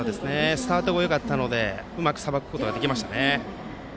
スタートもよかったのでうまくさばくことができましたね。